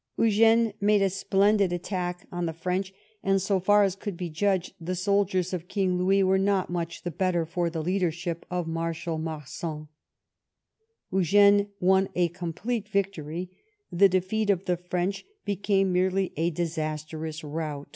Eugene made a splendid attack on the 253 THE REIGN OF QUEEN ANNE French, and, so far as could be judged, the soldiers of King Louis were not much the better for the leader ship of Marshal Marsin. Eugene won a complete vic tory; the defeat of the French became merely a dis astrous rout.